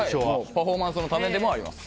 パフォーマンスのためでもあります。